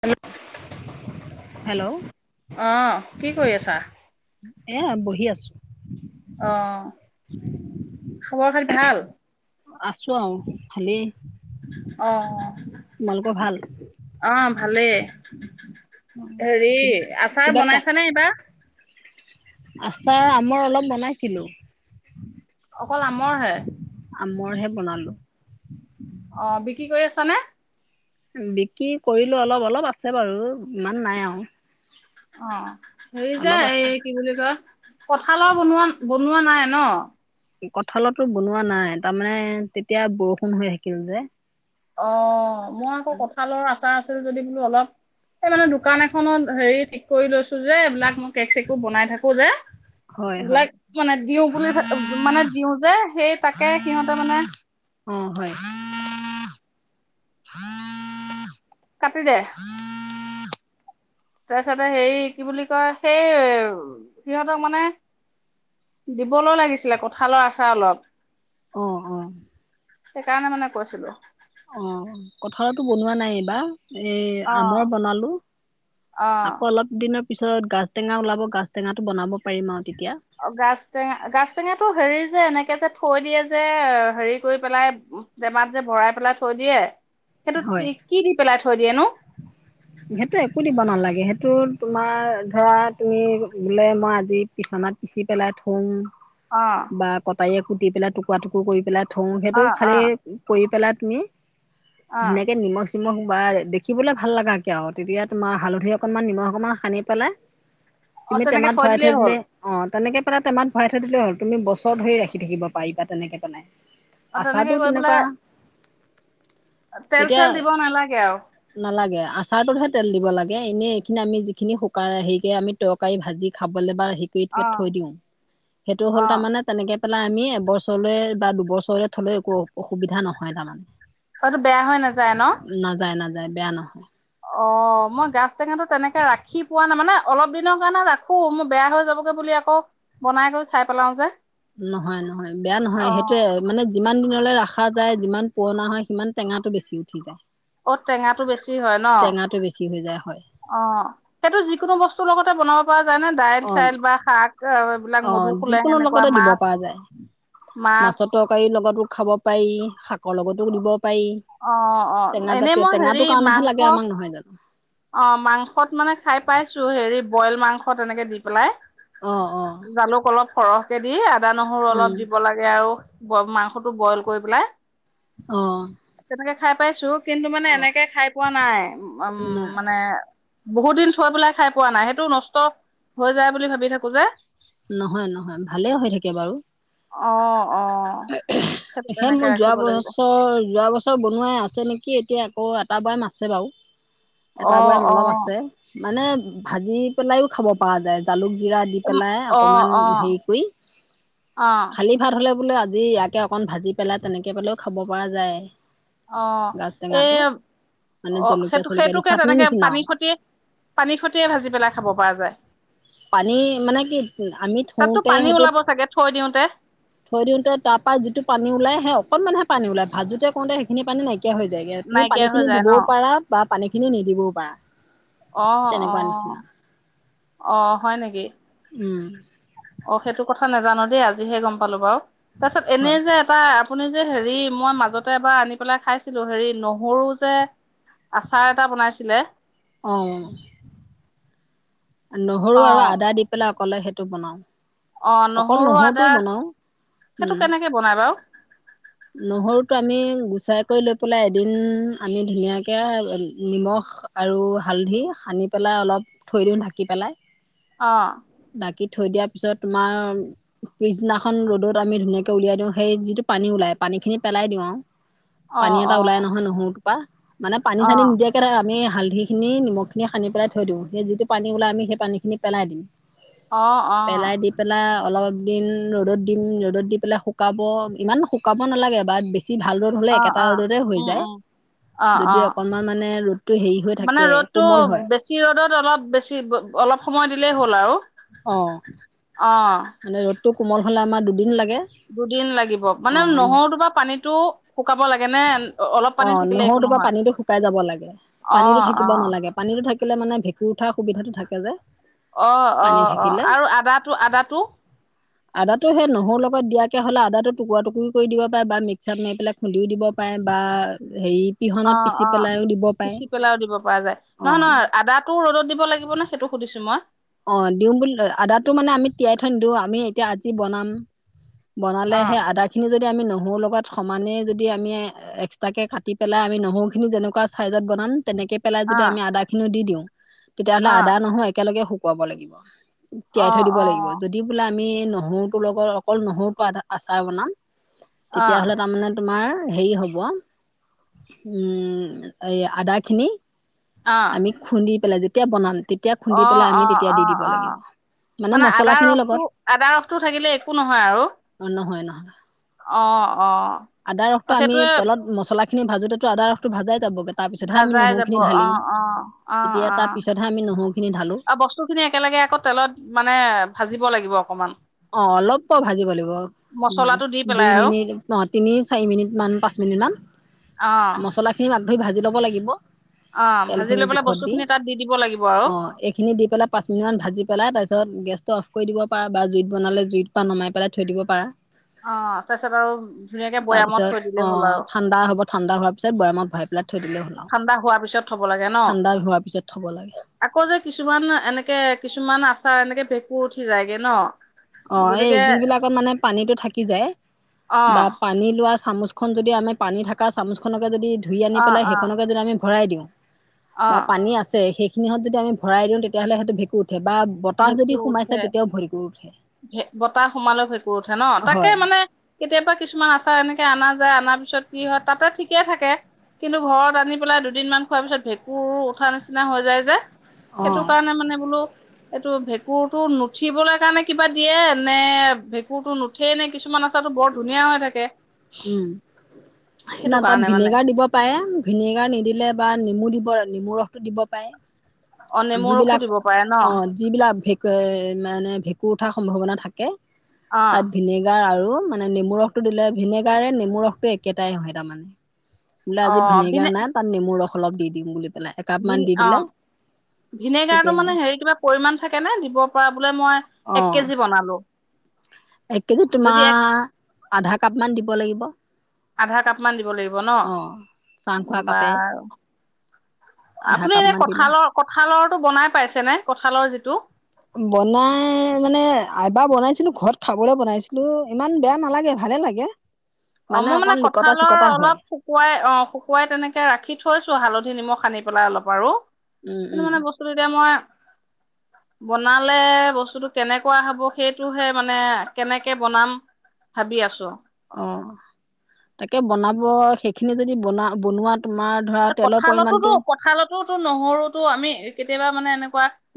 Hello hello অহ কি কৰি আছা এ বহি আছো অ আছো আ ভালে অহ অ ভালেই [unintelligible] হেৰি আচাৰ কিবা ক বনাইছানে এইবাৰ আচাৰ আমৰ অলপ বনাইছিলো অকল আমৰ হে আমৰ হে বনালো অ' বিক্ৰী কৰি আছা নে? বিক্ৰী কৰিলো অলপ, অলপ আছে বাৰু ইমান নাই আৰু! অ' হেৰিযে অলপ আছে এই কি বুলি কয়! কঁঠালৰ বনোৱা, বনোৱা নাই ন? কঁঠালতো বনোৱা নাই, তাৰমানে তেতিয়া বৰষুণ হৈ থাকিল যে। অ' মই আকৌ কঁঠালৰ আচাৰ আছ চিল যদি বোলো অলপ, এই মানে দোকান এখনত হেৰি ঠিক কৰি লৈছো যে এইবিলাক মই কেক-চেকো বনাই থাকো যে। হয় হয় এইবিলাক মানে দিও বুলি ভ, মানে দিও যে সেই তাকে সিহঁতে মানে অ হয় [unintelligible] কাটি দে। তাৰপিছতে হেৰি কি বুলি কয়, সেই সিহঁতক মানে, দিবলৈও লাগিছিলে কঁঠালৰ আচাৰ অলপ। অ' অ'। সেইকাৰণে মানে কৈছিলো। অ' কঁঠালৰটো বনোৱা নাই এইবাৰ। এ অ আমৰ বনালো। অ আকৌ অলপ দিনৰ পিছত গাজটেঙা ওলাব, গাজটেঙাটো বনাব পাৰিম আৰু। তেতিয়া অ' গাজটেঙা, গাজটেঙাটো হেৰি যে এনেকে যে থৈ দিয়ে যে হেৰি কৰি পেলাই, টেমাত যে ভৰাই পেলাই থৈ দিয়ে। সেইটোত হয় কি-কি দি পেলাই থৈ থৈ দিয়েনো! সেইটো একো দিব নালাগে, সেইটোত তোমাৰ ধৰা তুমি বোলে মই আজি পিচনাত পিচি পেলাই থ'ম। অ বা কটাৰীয়ে কুটি পেলাই, টুকুৰা-টুকুৰ কৰি পেলাই থওঁ সেইটো অ অ খালি কৰি পেলাত তুমি? অ ধুনীয়াকে নিমখ মখ বা দেখিবলৈ ভাললগা কে আও, তেতিয়া তোমাৰ হালধি অকণমান নিমখ অকণমান সানি পেলাই অ তুমি তেনেকে টেমাত ভৰাই দিলেই থৈ হ'ল দিলে, অ' তেনেকে টেমাত ভৰাই থদিলে হ'ল তুমি বছৰ ধৰি ৰাখি থাকিব পাৰিবা তেনেকে পেলাই অ' আচাৰটো তেনেকে কৰি তেনেকুৱা পেলাই তেল -চেল তেতিয়া দিব নালাগে আৰু নালাগে আচাৰটোতহে তেল দিব লাগে এনে এইখিনি আমি যিখিনি শুকাই হেৰিকে আমি তকাৰী ভাজি খাবলৈ বা অ [unintelligible] থৈ দিও। সেইটো হ'ল অ তাৰমানে তেনেকে পেলাই আমি এবছৰলৈ বা দুবছৰলৈ থ'লে একো অসুবিধা নহয় তাৰমানে। অটো বেয়া হৈ নাযায় ন'? নাই, বেয়া নহয়। অ' মই গাজ টেঙাটো তেনেকে ৰাখি পোৱা নাই। মানে অলপ দিনৰ কাৰণে ৰাখোঁ । মোৰ বেয়া হৈ যাবগে বুলি আকৌ বনাই গৈ খাই পেলাওঁ যে। নহয় - নহয়, বেয়া নহয় । অ' সেইটোৱে মানে যিমান দিনলৈ ৰাখা যায়, যিমান পুৰণা হয়, সিমান টেঙাটো বেছি উঠি যায়। অ' টেঙাটো বেছি হয় ন'? টেঙাটো বেছি হৈ যায় হয় অ', সেইটো যিকোনো বস্তুৰ লগতে বনাব জানে অঁ দাইল-চাইল বা শাক অ'- এইবিলাক অঁ মধুফুলে যিকোনো সেনেকুৱা লগতে দিব মাছ, পৰা যায় মাছ মাছৰ তৰকাৰীৰ লগতো খাব পাৰি, শাকৰ লগতো দিব পাৰি। অ' অ' টেঙা এনেই জাতীয়- মই হেৰি টেঙাটো কাৰণেহে মাংস লাগে আমাক, নহয় জানো? অ' মাংসত মানে খাই পাইছোঁ, হেৰি বইল মাংস তেনেকে দি পেলাই। অ অ জালুক অলপ সৰহ কে দি আদা, নহৰু অলপ উম দিব লাগে আৰু ব- মাংসটো বইল কৰি পেলাই অ তেনেকে খাই পাইছোঁ কিন্তু মানে অ এনেকে খাই পোৱা নাই। উম ন মানে বহুত দিন থৈ পেলাই খাই পোৱা নাই, সেইটো নষ্ট হৈ যায় বুলি ভাবি থাকো যে! নহয় নহয়, ভালে হৈ থাকে বাৰু! অ'। অ সেইটো সে তেনেকে মোৰ যোৱা ৰাখিব লাগিব বছৰ, যোৱা বছৰ বনোৱাই আছে নেকি এতিয়া! অ' এটা বৈয়াম আছে বাৰু! অ এটা বৈয়াম অ অলপ আছে। মানে ভাজি পেলাইও খাব পাৰা যায়, জালুক জিৰা দি পেলাই অ অকমান অ হেৰি কৰি, অ খালি ভাত হ'লে বোলে জিয়াকে অকণ ভাজি পেলাই তেনেকে পেলাইও খাব পৰা যায়। অ' গাজ এই টেঙাটো মানে অ' জলকীয়া চলকীয়া দি সেইটো-সেইটোকে চাটনি তেনেকে নিচিনা পানী আৰু খতিয়ে, পানী খতিয়ে ভাজি পেলাই খাব পৰা যায়। পানী মানে কি, আমি থওঁতে সেইটোত তে থৈ দিওঁতে তাৰ পৰা যিটো পানী ওলায়, সেই অকনমানহে পানী ওলায়, ভাজোতে কৰোঁতে সেইখিনি পানী নাইকিয়া নাইকিয়া হৈ যায়গে, তুমি নাইকিয়া হৈ পানীখিনি যায় ন দিবও পাৰা বা পানী খিনি নিদিবও পাৰা অ তেনেকুৱা অহ নিচিনা অহ হয় নেকি উম অ সেইটো কথা নাজানো দেই আজিহে গম পালো বাৰু তাৰপিছত এনেই হয় যে এটা আপুনি যে হেৰি মই মাজতে এবাৰ আনি পেলাই খাইছিলো হেৰি নহৰু যে আচাৰ এটা বনাইছিলে অঁ নহৰু অ আৰু আদা দি পেলাই কলে সেইটো বনাওঁ অ নহৰু আদা উম সেইটো কেনেকে বনাই বাৰু নহৰুটো আমি গুচাই কৰি লৈ পেলাই এদিন আমি ধুনীয়াকৈ নিমখ আৰু হালধি সানি পেলাই অলপ থৈ দিওঁ ঢাকি পেলাই অ ঢাকি থৈ দিয়াৰ পিছত তোমাৰ পিছদিনাখন ৰ'দত আমি ধুনীয়াকে উলিয়াই দিওঁ সেই যিটো পানী ওলাই পানীখিনি পেলাই দিওঁ আৱ অ পানী এটা অ ওলাই নহয় নহৰু পা মানে পানী অ চানী নিদিয়াকে আমি হালধিখিনি নিমখ খিনি সানি পেলাই থৈ দিওঁ সেই যিটো পানী ওলাই আমি সেই পানীখিনি পেলাই দিম অ অ পেলাই দি পেলাই অলপ দিন ৰ'দত দিম ৰ'দত দি পেলাই শুকাব ইমানু শুকাব নালাগে এবাৰত বেছি অ ভাল ৰ'দ হ'লে অ একেটা অ ৰ'দতে হৈ উম যায় উম অ অ যদি অকণমান মানে ৰ'দটো হেৰি হৈ মানে থাকে ৰ'দটো কোমল হয় বেছি ৰ'দত অলপ বেছি অলপ সময় দিলেই হ'ল আৰু অ অ মানে ৰ'দ কোমল হলে আমাৰ দুদিন লাগে দুদিন লাগিব মানে অ' নহৰুটো বা পানীটো শুকাব লাগে নে অলপ পানী অ থাকিলে একো নহৰুটোৰ পৰা নহয় পানীটো শুকাই যাব লাগে অ পানীতো থাকিব অ নেলাগে পানীটো থাকিলে মানে ভেকু কুৰ উঠা সুবিধাটো থাকে যে অ অ পানী অ থাকিলে আৰু আদাটো আদাটো একৈ হ'লে আদাটো টুকুৰা টুকৰি কৰি দিব পাৰে বা মিকছাৰ সোমিয়াই পেলাই খুন্দিও দিব পাৰে বা হেৰি অ পিহনাত পিচি অ পেলাইও দিব পাৰে পিচি পেলাইও দিব পৰা যায় অ নহয় নহয় আদাটোও ৰ'দত দিব লাগিব নে সেইটো সুধিছো মই অ দিওঁ বুলি আদাটো মানে আমি তিয়াই থৈ নিদিওঁ আমি এতিয়া আজি বনাম বনালে অ', সেই আদা খিনি যদি যদি আমি নহৰু লগত সমানেই যদি আমি এক্সট্ৰাকে কাটি পেলাই আমি নহৰুখিনি যেনেকুৱা ছাইজত বনাম তেনেকৈ পেলাই যদি অ', আমি আদাখিনিও দি দিওঁ তেতিয়াহ'লে অ', আদা নহ‌ও একেলগে কুৱাব লাগিব তিয়াই থৈ অ', দিব অ', লাগিব। যদি বোলে আমি ন নহৰুটোৰ লগত অকল নহৰুটো আধা আচাৰ বনাম অ', তেতিয়াাহ'লে তাৰমানে তোমাৰ হেৰি হ'ব উম এই আদা খিনি অ', আমি খুন্দি পেলাই যে কেতিয়া বনাম তেতিয়া খুন্দি অ পেলাই অ আমি তেতিয়া অ দি দিব অ লাগিব মানে আদা মছলাখিনিৰ ৰসটো লগত আদা ৰসটো থাকিলে একো নহয় আৰু অ নহয় নহয় অ অ', আদা অ', ৰসটো আমি সেইটোয়ে তেলত মছলা ভাজোতেটো আদা ৰসটো ভাজায় ভাজাই যাব অ অ অ তেতিয়া অ, তাৰ পিছতহে আমি নহৰুখিনি ঢালো আৰু বস্তুখিনি একেলগে আকৌ তেলত মানে ভাজিব লাগিব অকমান অ অলপ ভাজিব লাগিব। মচলাটো দি দুই পেলাই আৰু মিনিট অ তিনি চাৰি মিনিট মান পাঁচ মিনিট মান অ', মছলাখিনি ধুই ভাজি ল'ব লাগিব অ তেল ভাজি খিনি লৈ পেলাই জোখত বস্তু দি। খিনি তাত দিব লাগিব আৰু অ এইখিনি দি পেলাই পাঁচ মিনিটান ভাজি পেলাই তাৰপিছত গেছ অফ কৰি দিব পাৰ বা জুইত বনালে জুইত পা নমাই পেলাই থৈ দিব পাৰা অ তাৰপিছত আৰু ধুনীয়াকে বৈয়ামত তাৰপিছত থৈ দিলে অ হ'ল আৰু ঠাণ্ডা হ'ব ঠাণ্ডা হোৱাৰ পিছত বয়ামত ভয় ঠাণ্ডা হোৱাৰ পিছত থব লাগে ন? ঠাণ্ডা হোৱাৰ পিছত থ'ব লাগে। আকৌ যে কিছুমান এনেকে কিছু কিছুমান আচাৰ এনেকে ভেঁকুৰ উঠি যায়গে ন‌ অ এই যিবিলাকত মানে পানীতটো থাকি যায় অ বা পানী লোৱা চামুচ চামুচখন যদি আমি পানী থকা চামুচখনকে যদি ধুই আনি অ পেলাই অ সেইখনকে যদি আমি ভৰাই দিওঁ অ বা পানী আছে সেই সিহঁত যদি ভৰাই দিওঁ তেতিয়াহলে সেইটো ভেকুঁত উঠে বা বতাহ যদি ভেঁকুৰ সোমাইছে উঠে তেতিয়াও ভৰি ভেকুঁ উঠে ভে বতাহ সোমালে ভেঁকুৰ উঠে ন? তাকে হয় মানে কেতিয়াবা কিছুমান আচাৰ এনেকে অনা যায়, আনা পিছত কি হয় তাতে ঠিকে থাকে, কিন্তু ঘৰত আনি পেলাই দুদিনমান খোৱাৰ পিছত ভেঁকুৰো উঠা নিচিনা হৈ যায় যে অ সেইটো কাৰণে মানে বোলো এইটো ভেঁকুৰটো নুঠিবলৈ কাৰণে কিবা দিয়ে নে ভেঁকুৰ টো নুঠেই নে কিছুমান আছে উম না সেইটো তাত কাৰণে মানে ভিনেগাৰ দিব পাৰে ভিনেগাৰ নিদিলে বা নেমু দিব বৰনেমুৰ ৰখটো দিব পাই অ নেমু ৰসো যিবিলাক দিব পাৰে ন অ যিবিলাক ভেঁক মানে ভেঁকুৰ উঠাৰ সম্ভাৱনা থাকে থাকে অ তাত ভিনেগাৰ আৰু মানে নেমু ৰসটো দিলে ভিনেগাৰে নেমু ৰসটো একেটাই হয় তাৰমানে বোলে অ আজি ভিনেগাৰ ভিনে নাই তাত নেমু ৰস অলপ দি দিম বুলি পেলাই একাপ মান ভিন দি অ দিলে ভিনেগাৰটো তেতিয়া মানে হেৰি কিবা পৰিমাণ থাকে নে দিব পৰা বোলে মই অ এক কেজি বনালো এক কেজি যদি এক তোমাৰ আধা কাপ মান দিব লাগিব অ আধা কাপ মান দিব লাগিব ন চাহ খোৱা বা কাপে আধা আপুনি কাপ এনে মান দিলা কঁঠালৰ কঁঠালৰ টো বনাই পাইছে নাই কঠালৰ যিটো বনাই মানে এবাৰ বনাইছিলো ঘৰত খাবলৈ বনাইছিলো ইমান বেয়া নালাগে ভালে লাগে অ মই মানে অকন লিকতা কঁঠালৰ চিকতা হয় অলপ শুকুৱাই অ শুকুৱাই তেনেকে ৰাখি থৈছো হালধি নিমখ সানি বনাই অলপ আৰু উম কিন্তু উম মানে বস্তুটো এতিয়া মই বনালে বস্তুটো কেনেকুৱা হব সেইটোহে মানে কেনেকে বনাম ভাবি আছো অ তাকে বনাব সেইখিনি যদি বনা বনোৱাত কঠালতোতো কঁঠালতোতো নহৰুতো আমি কেতিয়াবা মানে এনে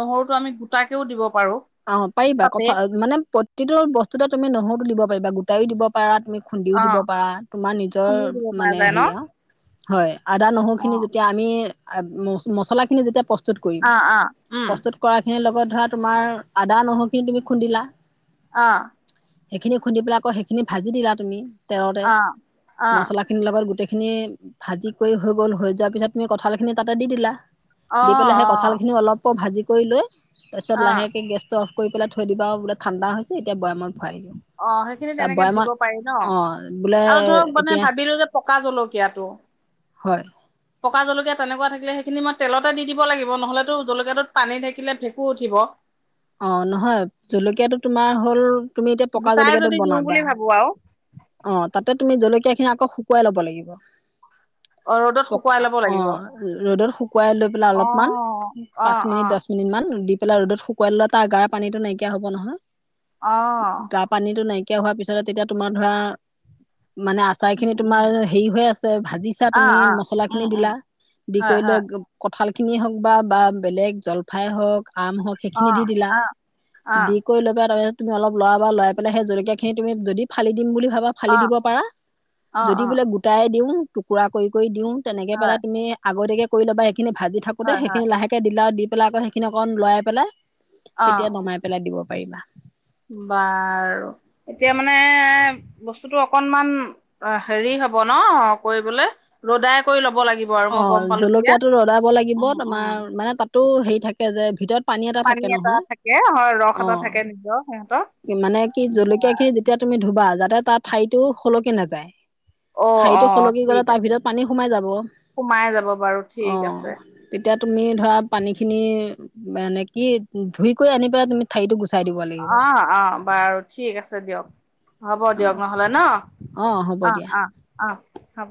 নহৰুতো আমি গোটাকেও দিব পাৰো অহ পাৰিবা তাতে কথা মানে প্ৰতিটো বস্তুটা তুমি নহৰু দিব গোটাইও দিব পাৰা তুমি খুন্দিও অ দিব পাৰা তোমাৰ নিজৰ খুন্দিও দিব পৰা মানে যায় ন হেৰি আৰু হয় আদা নহৰু অ খিনি যেতিয়া আমি ম মছলাখিনি যেতিয়া অ অ উম সেই লগত ধৰা তোমাৰ আদা নহওক তুমি খুন্দিলা অ সেইখিনি খুন্দি পেলাই আকৌ সেইখিনি ভাজি দিলা তুমি তেৰতে অ অ মছলা খিনিৰ লগত গোটেই খিনি ভাজি কৰি হৈ গল হৈ যোৱাৰ পিছত তুমি কঁঠাল খিনি তাতে দি দিলা অ অ দি পেলাই সেই কঁঠাল খিনি অলপ ভাজি কৰি লৈ তাৰ পাছত অ লাহেকে গেষ্ট অফ কৰি পাই থৈ দিব আৰু বোলে ঠাণ্ডা এতিয়া বৈয়ামত ভৰাই দিয়া অ সেইখিনি তা তেনেকে দিব বৈয়ামত পাৰি ন অ বোলে আৰু ধৰক মানে এতিয়া ভাবিলো যে পকা জলকীয়াাতটো হয় পকা জলকীয়া তেনেকুৱা থাকিলে সেইখিনি মই তেলতে দি দিব লাগিব নহলেতো জলকীয়াটোত পানী থাকিলে ভেঁকু উঠিব অ নহয় জলকীয়া টো তোমাৰ হ'ল তুমি এতিয়া পকা গোটাই জলকীয়াটো যদি দিওঁ বনাবা বুলি ভাবো আৰু অ তাতে তুমি জলকীয়া খিনি আ শুকুৱাই ল'ব লাগিব অ ৰ'দত কা শুকুৱাই লব অ লাগিব ৰ'দত শুকুৱাই লৈ পেলাই অ অলপমান অ পাঁচ অ মিনিট দহ মিনিট মান দি পিলা ৰদত শুকুৱাই শুকুৱাই তাৰ আগাৰ পানীত নাইকিয়া হব নহয় অ গা পানীতটো নাইকিয়া নাইকিয়া হোৱাৰ পিছতে তেতিয়া তোমাৰ ধৰা মানে আচাৰ উম খিনি উম তোমাৰ হেৰি হৈ আছে ভাজিছা অ তুমি অ মছলা খিনি উম উম দিলা দি হয় কৰি লৈ হয় কঁঠালখিনিয়ে হওক বা বা বেলেগ জলফাই হওক আম অ সেইখিনি দি দিলা অ অ দি কৰি লৈ পেল তাৰপিছত তুমি অলপ লৰা বা লই পেলাই স জলকীয়া খিনি তুমি যদি ফালি দিম বুলি বা ফালি অ দিব পাৰা অ যদি অ বোলে গোটাই দিও টুকুৰা কৰি দিওঁ তেনেকে পেলা হয় তুমি আগতীয়াকে কৰি ল'বা খিনি ভাজি থাকোঁ হয় হয় সেইখিনি লাহে দিলে আৰু দি। পেলাই আকৌ সেইখিন অকণ লৰাই পেলাই অ তেতিয়া নমাই পেলাই দিব পাৰিবা বাৰু এতিয়া মানে বস্তুতটো অকনমান হেৰি হব ন কৰিবলে ৰ'দাই কৰি ল'ব লাগিব আৰু অ মই গম পালো এতিয়া জলকীয়া টো ৰদাব লাগিব উম উম তোমাৰ মানে তাতো হে থাকে যে ভিতৰত পানী এটা থাকে হয় ৰস অ এটা থাকে নিজৰ সিহঁতৰ মানে কি জলকীয়া খিনি যেতিয়া তুমি ধুবা যাতে তাৰ ঠাৰীতো স'লকি নাযায় অ অ ঠাইতো সলকি গলে ঠিক তাৰ আছে ভিতৰত পানী সোমাই যাব সোমাই যাব বাৰু অ ঠিক আছে তেতিয়া তুমি ধৰা পানী খিনি মানে কি ধুই কৈ আনিবা তুমি ঠাৰিতো গুচা চাই দিব অ লাগিব অ বাৰু ঠিক আছে দিয়ক হ'ব দিয়ক নহ'লে ন অঁ হ'ব দিয়া হ ব